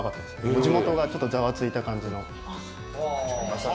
地元がちょっとざわついた感じの。